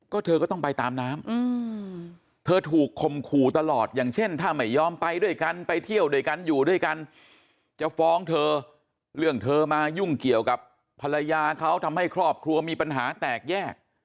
ก็เธอก็ต้องไปตามน้ำเธอถูกคมขู่ตลอดอย่างเช่นถ้าไม่ยอมไปด้วยกันไปเที่ยวด้วยกันอยู่ด้วยกันจะฟ้องเธอเรื่องเธอมายุ่งเกี่ยวกับภรรยาเขาทำให้ครอบครัวมีปัญหาแตกแยก